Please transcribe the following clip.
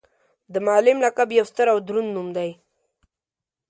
د معلم لقب یو ستر او دروند نوم دی.